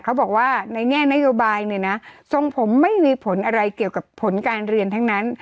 เขาบอกว่าในแง่นโยบายเนี่ยนะทรงผมไม่มีผลอะไรเกี่ยวกับผลการเรียนทั้งนั้น